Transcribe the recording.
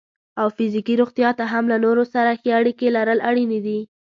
او فزیکي روغتیا ته هم له نورو سره ښې اړیکې لرل اړینې دي.